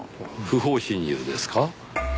不法侵入ですか？